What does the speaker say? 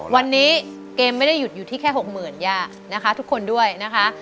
วันนี้เกมไม่ได้หยุดอยู่ที่แค่๖๐๐๐ย่านะคะทุกคนด้วยนะคะ